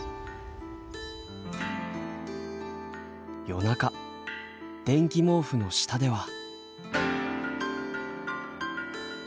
夜中電気毛布の下では。